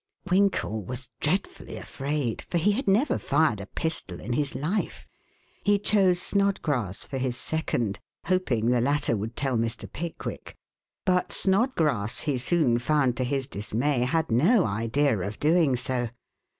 Winkle was dreadfully afraid, for he had never fired a pistol in his life. He chose Snodgrass for his second, hoping the latter would tell Mr. Pickwick; but Snodgrass, he soon found to his dismay, had no idea of doing so.